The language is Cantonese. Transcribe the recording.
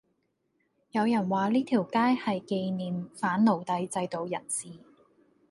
有人話呢條街係記念反奴隸制度人士